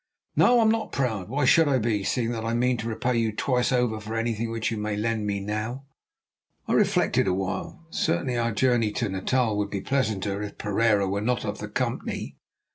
"No, I am not proud. Why should I be, seeing that I mean to repay you twice over for anything which you may lend me now?" I reflected a while. Certainly our journey to Natal would be pleasanter if Pereira were not of the company.